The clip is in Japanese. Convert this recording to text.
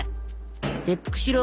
切腹しろ。